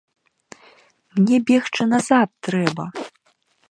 Мне бегчы назад трэба.